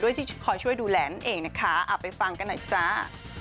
ด้วยที่ขอช่วยดูแลนเองนะคะอ่าไปฟังกันหน่อยจ้า